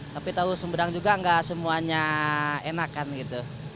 tapi tahu sumedang juga enggak semuanya enakan gitu